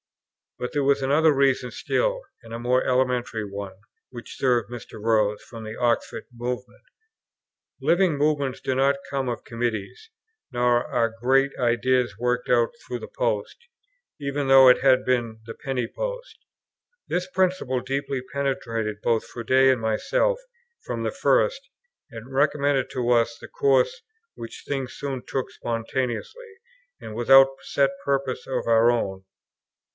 But there was another reason still, and a more elementary one, which severed Mr. Rose from the Oxford Movement. Living movements do not come of committees, nor are great ideas worked out through the post, even though it had been the penny post. This principle deeply penetrated both Froude and myself from the first, and recommended to us the course which things soon took spontaneously, and without set purpose of our own.